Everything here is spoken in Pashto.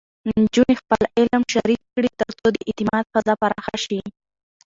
نجونې خپل علم شریک کړي، ترڅو د اعتماد فضا پراخه شي.